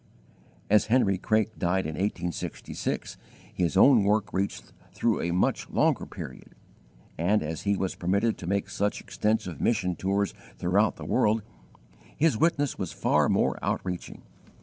As Henry Craik died in 1866, his own work reached through a much longer period; and as he was permitted to make such extensive mission tours throughout the world, his witness was far more outreaching.